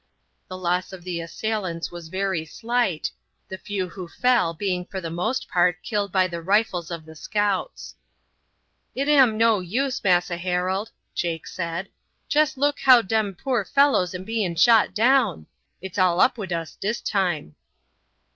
The loss of the assailants was very slight, the few who fell being for the most part killed by the rifles of the scouts. "It am no use, Massa Harold," Jake said. "Jest look how dem poor fellows am being shot down. It's all up wid us dis time."